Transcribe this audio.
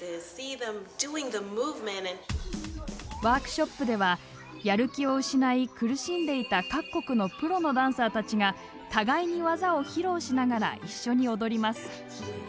ワークショップではやる気を失い苦しんでいた各国のプロのダンサーたちが互いに技を披露しながら一緒に踊ります。